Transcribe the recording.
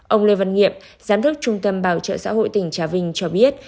ông lê văn nghiệm giám đốc trung tâm bảo trợ xã hội tỉnh trà vinh cho biết